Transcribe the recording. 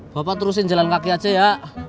bapak terusin jalan kaki aja ya